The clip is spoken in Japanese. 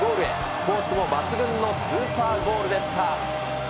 コースも抜群のスーパーゴールでした。